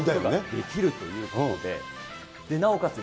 できるということで、なおかつ